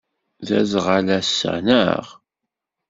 D aẓɣal ass-a, naɣ?